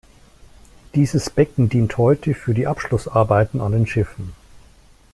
Dieses Becken dient heute für die Abschlussarbeiten an den Schiffen.